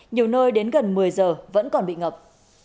nhiều nơi đến gần một mươi giờ vẫn còn bị ngập